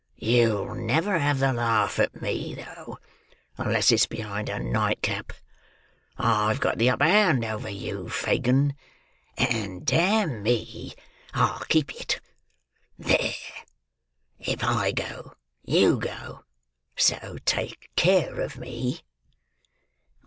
You'll never have the laugh at me, though, unless it's behind a nightcap. I've got the upper hand over you, Fagin; and, d—me, I'll keep it. There! If I go, you go; so take care of me."